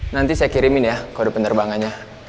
nanti saya kirimin ya kode penerbangannya